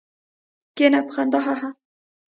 کېنه! په خندا هههه.